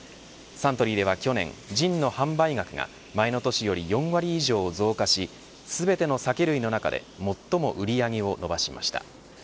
サントリーでは去年ジンの販売額が前の年より４割以上増加し全ての酒類の中で最も売り上げを伸ばしました。